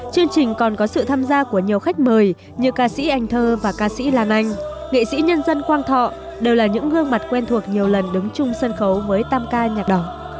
chương trình còn có sự tham gia của nhiều khách mời như ca sĩ anh thơ và ca sĩ lan anh nghệ sĩ nhân dân quang thọ đều là những gương mặt quen thuộc nhiều lần đứng chung sân khấu với tam ca nhạc đỏ